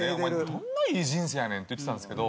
どんないい人生やねんって言ってたんですけど。